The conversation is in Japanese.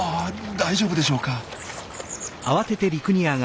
大丈夫でしょうか？